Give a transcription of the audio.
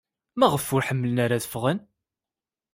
Maɣef ur ḥemmlen ara ad ffɣen?